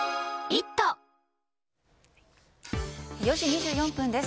４時２４分です。